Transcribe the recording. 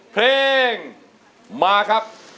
เพลงมาครับ